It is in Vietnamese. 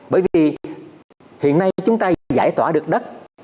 bởi vì hiện nay chúng ta mới giải tỏa được đất